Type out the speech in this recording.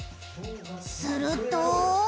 すると。